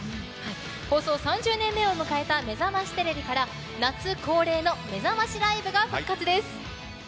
放送３０年目を迎えた「めざましテレビ」から夏恒例のめざましライブが復活です。